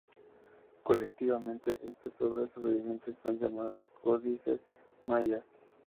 Colectivamente, estas obras sobrevivientes son llamadas Códices mayas.